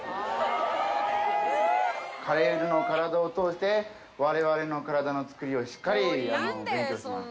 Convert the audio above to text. カエルの体を通して、われわれの体の作りをしっかり勉強しましょう。